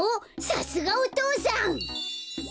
さすがお父さん！